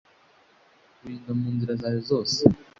kukurinda mu nzira zawe zose